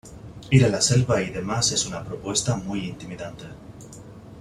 Ir a la selva y demás es una propuesta muy muy intimidante.